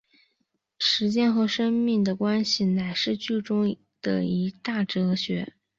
时间和生命的关系乃是剧中的一大哲学。